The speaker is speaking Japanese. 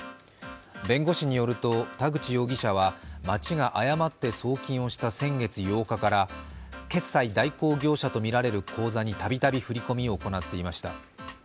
弁護士によると田口容疑者は町が誤って送金をした先月８日から決済代行業者とみられる口座に度々振り込みを行っていました。